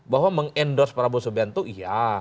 bahwa meng endorse prabowo soebianto iya